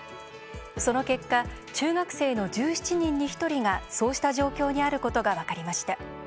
その結果中学生の１７人に１人がそうした状況にあることが分かりました。